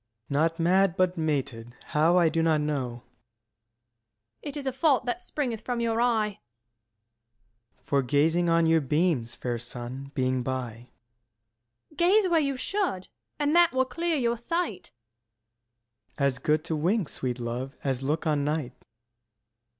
Ant. S. Not mad, but mated; how, I do not know. Luc. It is a fault that springeth from your eye. 55 Ant. S. For gazing on your beams, fair sun, being by. Luc. Gaze where you should, and that will clear your sight. Ant. S. As good to wink, sweet love, as look on night.